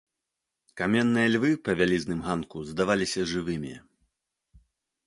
Каменныя львы па вялізным ганку здаваліся жывымі.